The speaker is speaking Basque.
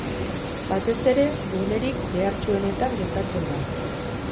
Batez ere, gunerik behartsuenetan gertatzen da.